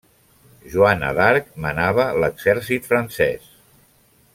Joana d'Arc manava l'exèrcit francès.